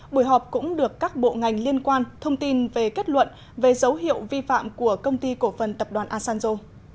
buổi họp cũng được các bộ ngành liên quan thông tin về kết luận về dấu hiệu vi phạm của công ty cổ phần tập đoàn asanzo